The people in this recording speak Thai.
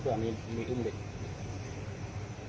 ติดลูกคลุม